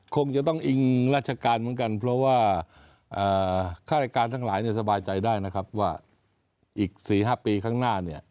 ก็ต้องอิงราชการเหมือนกัน